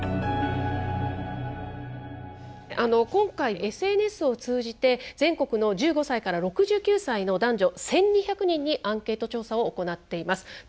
今回、ＳＮＳを通じて全国１５歳から６９歳の男女１２００人にアンケート調査を行っています。